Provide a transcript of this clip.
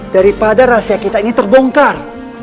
daripada rahasia kita ini terbongkar